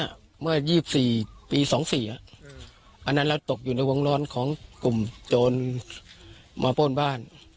เมื่อ๒๔ปี๒๔อันนั้นเราตกอยู่ในวงร้อนของกลุ่มโจรมาป้นบ้าน